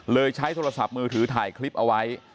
ใช้โทรศัพท์มือถือถ่ายคลิปเอาไว้